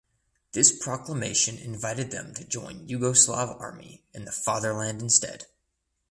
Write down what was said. This proclamation invited them to join Yugoslav Army in the Fatherland instead.